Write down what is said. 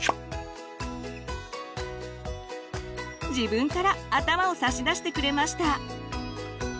自分から頭を差し出してくれました。